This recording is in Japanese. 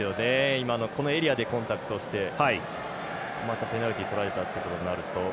今、このエリアでコンタクトしてまたペナルティとられたってことになると。